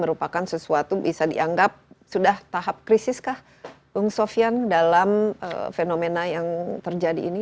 merupakan sesuatu bisa dianggap sudah tahap krisiskah bung sofyan dalam fenomena yang terjadi ini